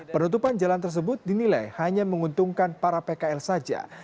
penutupan jalan tersebut dinilai hanya menguntungkan para pkl saja